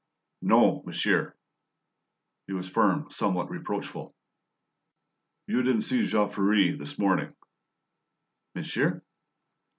"No, monsieur." He was firm, somewhat reproachful. "You didn't see Jean Ferret this morning?" "Monsieur?"